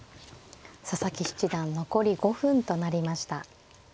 佐々木七段残り５分となりました。